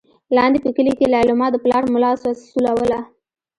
لاندې په کلي کې لېلما د پلار ملا سولوله.